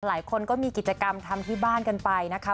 หลายคนก็มีกิจกรรมทำที่บ้านกันไปนะคะ